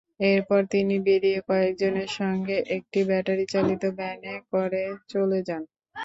এরপর তিনি বেরিয়ে কয়েকজনের সঙ্গে একটি ব্যাটারিচালিত ভ্যানে করে চলে যান।